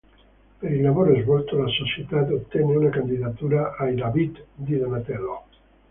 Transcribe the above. Per il lavoro svolto, la società ottenne una candidatura ai David di Donatello.